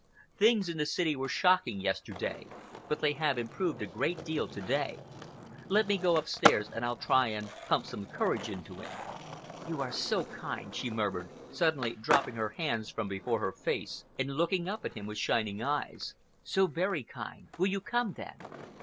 Things in the city were shocking yesterday, but they have improved a great deal to day. Let me go upstairs and I'll try and pump some courage into him." "You are so kind," she murmured, suddenly dropping her hands from before her face and looking up at him with shining eyes, "so very kind. Will you come, then?"